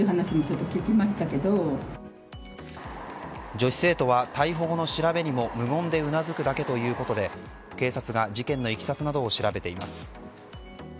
女子生徒は逮捕後の調べにも無言でうなずくだけということで警察が事件のいきさつなどを調べています。